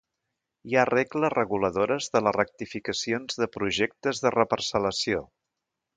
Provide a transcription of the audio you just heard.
Hi ha regles reguladores de les rectificacions de projectes de reparcel·lació.